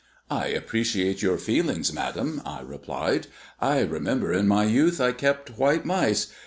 "I appreciate your feelings, madam," I replied. "I remember in my youth I kept white mice.